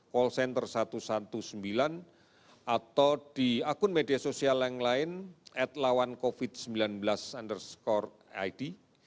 call center satu ratus sembilan belas atau di akun media sosial yang lain atlawancovid sembilan belas id